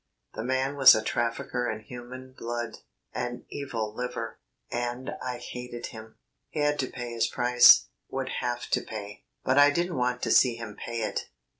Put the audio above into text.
The man was a trafficker in human blood, an evil liver, and I hated him. He had to pay his price; would have to pay but I didn't want to see him pay it.